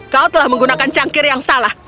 kau telah menggunakan cangkir yang salah